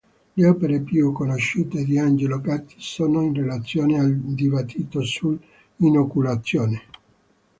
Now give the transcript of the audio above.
Le opere più conosciute di Angelo Gatti sono in relazione al dibattito sull'inoculazione.